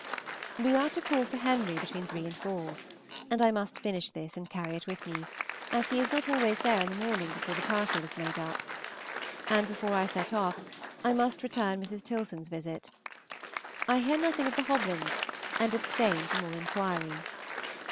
We are to call for Henry between three and four, and I must finish this and carry it with me, as he is not always there in the morning before the parcel is made up. And before I set off, I must return Mrs. Tilson's visit. I hear nothing of the Hoblyns, and abstain from all inquiry.